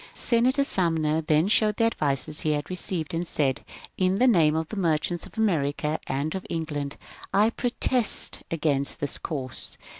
Senator Sumner then showed the advices he had received, and said, In the name of the merchants of America and of England I protest against this course."